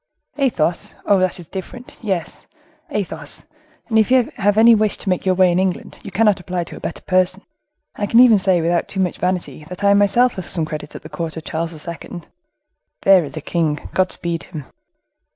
"Athos! Oh! that's different; yes, Athos—and if you have any wish to make your way in England, you cannot apply to a better person; I can even say, without too much vanity, that I myself have some credit at the court of Charles II. There is a king—God speed him!"